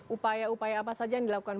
upaya upaya apa saja yang dilakukan